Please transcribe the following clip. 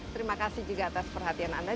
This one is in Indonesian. terima kasih juga atas perhatian anda